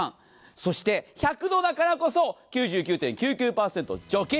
そして１００度だからこそ、９９．９９％除菌。